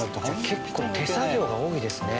結構手作業が多いですね。